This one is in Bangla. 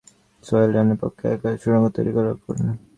জেলা পুলিশের একটি সূত্র জানায়, সোহেল রানার পক্ষে একা সুড়ঙ্গ তৈরি করা কঠিন।